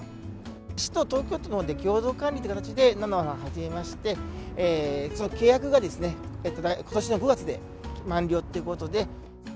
市と東京都のほうで共同管理っていうことで、菜の花始めまして、その契約がことしの５月で満了っていうことで。